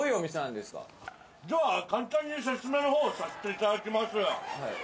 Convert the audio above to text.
では簡単に説明の方させていただきます。